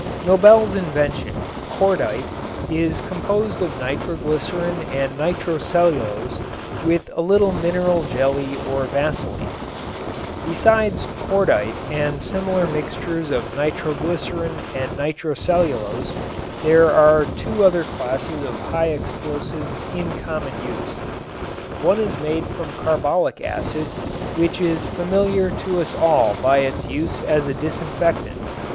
Nobel's invention, "cordite," is composed of nitroglycerin and nitrocellulose with a little mineral jelly or vaseline. Besides cordite and similar mixtures of nitroglycerin and nitrocellulose there are two other classes of high explosives in common use. One is made from carbolic acid, which is familiar to us all by its use as a disinfectant.